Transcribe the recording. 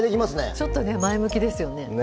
ちょっとね前向きですよね。